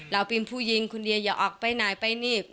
เราเป็นผู้หญิงคนเดียวอย่าออกไปไหนไปนี่